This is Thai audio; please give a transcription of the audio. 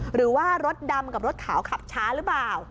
หรือว่ารถดำกับรถขาวขับช้าหรือเปล่า